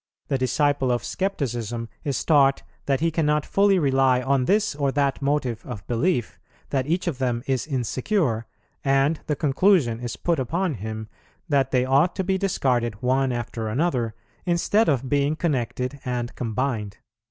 The disciple of Scepticism is taught that he cannot fully rely on this or that motive of belief, that each of them is insecure, and the conclusion is put upon him that they ought to be discarded one after another, instead of being connected and combined."